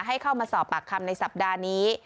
ให้เข้ามาสอบปากคำในสัปดาห์นี้